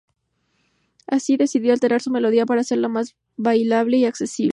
Así, decidió alterar su melodía para hacerla más bailable y accesible.